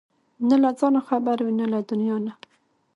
نه له ځانه خبر وي نه له دنيا نه!